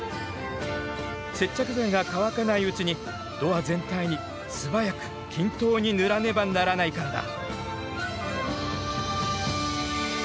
接着剤が乾かないうちにドア全体に素早く均等に塗らねばならないからだ。